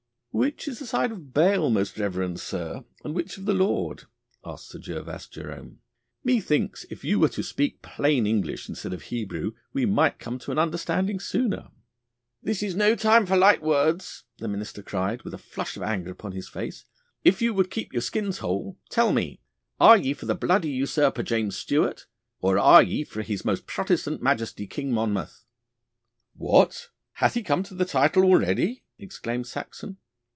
'Which is the side of Baal, most reverend sir, and which of the Lord?' asked Sir Gervas Jerome. 'Methinks if you were to speak plain English instead of Hebrew we might come to an understanding sooner.' 'This is no time for light words,' the minister cried, with a flush of anger upon his face. 'If ye would keep your skins whole, tell me, are ye for the bloody usurper James Stuart, or are ye for his most Protestant Majesty King Monmouth?' 'What! He hath come to the title already!' exclaimed Saxon.